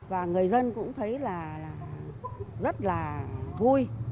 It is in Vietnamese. và người dân cũng thấy là rất là vui